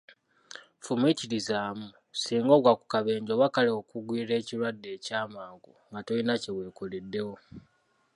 Fumiitirizaamu singa ogwa ku kabenje, oba kale okugwirwa ekirwadde ekyamangu nga tolina kyewekoleddewo!